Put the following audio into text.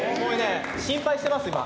心配しています、今。